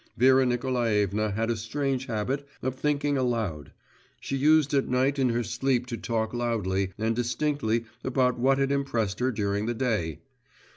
… Vera Nikolaevna had a strange habit of thinking aloud; she used at night in her sleep to talk loudly and distinctly about what had impressed her during the day.